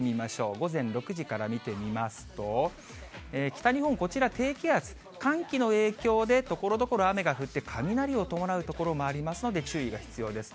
午前６時から見てみますと、北日本、こちら低気圧、寒気の影響で、ところどころ、雨が降って、雷を伴う所もありますので、注意が必要です。